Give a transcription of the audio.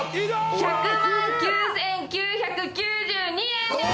１００万９，９９２円です。